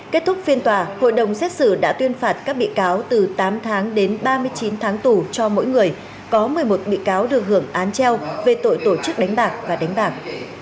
kết thúc phiên tòa hội đồng xét xử đã tuyên phạt các bị cáo từ tám tháng đến ba mươi chín tháng tù cho mỗi người có một mươi một bị cáo được hưởng án treo về tội tổ chức đánh bạc và đánh bạc